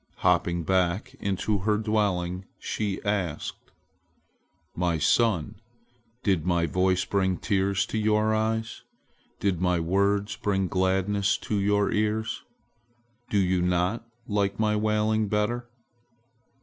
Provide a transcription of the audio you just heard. Hopping back into her dwelling, she asked: "My son, did my voice bring tears to your eyes? Did my words bring gladness to your ears? Do you not like my wailing better?"